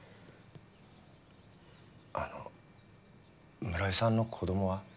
あの村井さんの子供は？